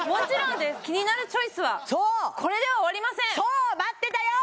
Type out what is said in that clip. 「キニナルチョイス」はこれでは終わりませんそう待ってたよ